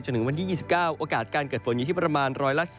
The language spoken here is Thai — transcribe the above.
ถึงวันที่๒๙โอกาสการเกิดฝนอยู่ที่ประมาณ๑๔